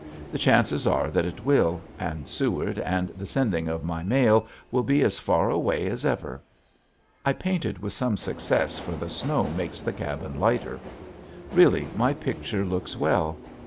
The chances are that it will and Seward and the sending of my mail will be as far away as ever. I painted with some success for the snow makes the cabin lighter. Really my picture looks well.